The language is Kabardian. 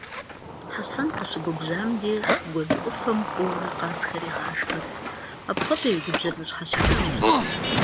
Хьэсэн къыщыгубжьам деж, гуэл ӏуфэм кӏуэурэ къазхэр игъашхэрт, апхуэдэу и губжьыр зыщхьэщигъэкӏырт.